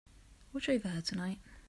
Watch over her tonight.